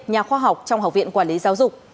nhà khoa học trong học viện quản lý giáo dục